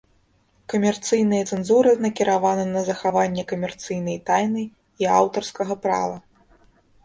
Камерцыйная цэнзура накіравана на захаванне камерцыйнай тайны і аўтарскага права.